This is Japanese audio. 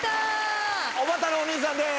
おばたのお兄さんです。